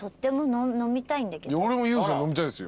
俺もＹＯＵさん飲みたいですよ。